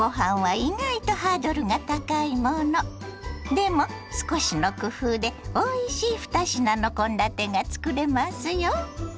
でも少しの工夫でおいしい２品の献立がつくれますよ。